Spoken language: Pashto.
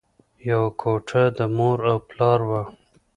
یوه کوټه د مور او پلار وه